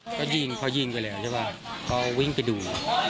เขายิงเขายิงไปแล้วใช่ป่ะเขาวิ่งไปดู